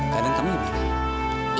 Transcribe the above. kadang kamu yang pilih